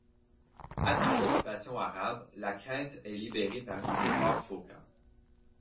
Après l'occupation arabe, la Crète est libérée par Nicéphore Phocas.